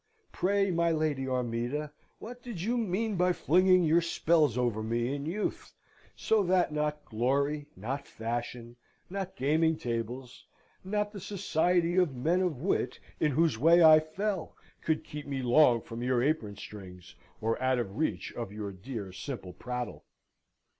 Pray, my Lady Armida, what did you mean by flinging your spells over me in youth, so that not glory, not fashion, not gaming tables, not the society of men of wit in whose way I fell, could keep me long from your apron strings, or out of reach of your dear simple prattle?